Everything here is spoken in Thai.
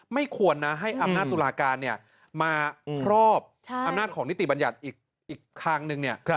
ไม่ควรนะให้อำนาจตุลาการมาครอบอำนาจของนิติบัญญัติอีกทางนึง